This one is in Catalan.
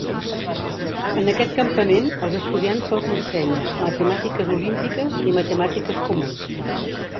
En aquest campament, als estudiants se'ls ensenya matemàtiques olímpiques i matemàtiques comuns.